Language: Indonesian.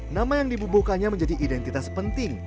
nama yang dibubuhkannya menjadi identitas penting